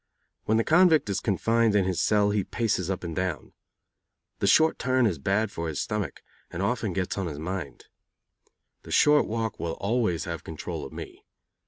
When the convict is confined in his cell he paces up and down. The short turn is bad for his stomach, and often gets on his mind. That short walk will always have control of me.